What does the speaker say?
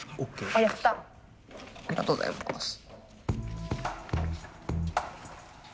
ありがとうございます。